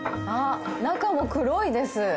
あっ中も黒いです。